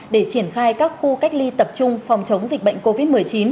để triển khai các khu cách ly tập trung phòng chống dịch bệnh covid một mươi chín